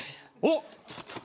おっ！